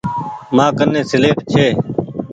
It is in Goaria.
مآڪني سيليٽ ڇي۔